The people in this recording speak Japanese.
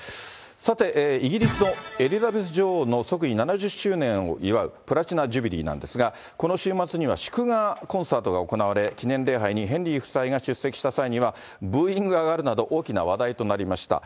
さて、イギリスのエリザベス女王の即位７０周年を祝うプラチナ・ジュビリーなんですが、この週末には祝賀コンサートが行われ、記念礼拝にヘンリー夫妻が出席した際には、ブーイングが上がるなど、大きな話題となりました。